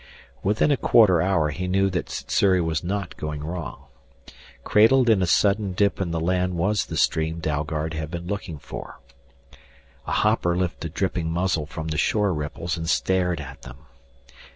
Within a quarter hour he knew that Sssuri was not going wrong. Cradled in a sudden dip in the land was the stream Dalgard had been looking for. A hopper lifted a dripping muzzle from the shore ripples and stared at them.